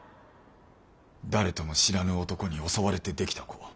誰とも知らぬ男に襲われて出来た子。